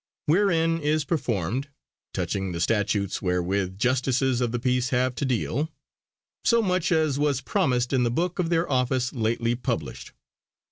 Wherein is performed (touching the Statutes wherewith Justices of the Peace have to deale) so much as was promised in the Booke of their office lately published.